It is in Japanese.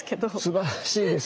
すばらしいですね。